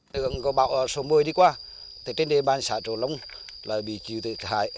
đường cầu bão số một mươi đi qua trên địa bàn xã trổ lông là bị chịu thiệt hại